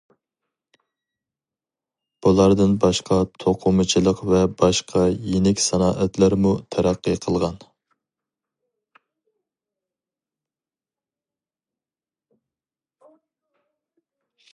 بۇلاردىن باشقا توقۇمىچىلىق ۋە باشقا يېنىك سانائەتلەرمۇ تەرەققىي قىلغان.